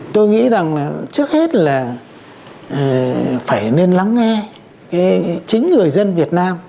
tôi nghĩ trước hết là phải nên lắng nghe chính người dân việt nam